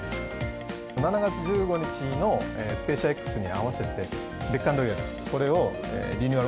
７月１５日のスペーシアＸに合わせて、別館ロイヤル、これをリニューアル